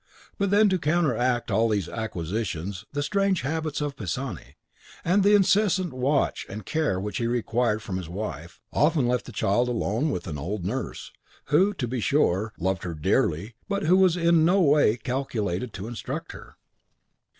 But then, to counteract all these acquisitions, the strange habits of Pisani, and the incessant watch and care which he required from his wife, often left the child alone with an old nurse, who, to be sure, loved her dearly, but who was in no way calculated to instruct her.